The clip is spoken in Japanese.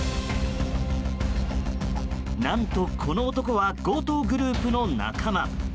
何と、この男は強盗グループの仲間。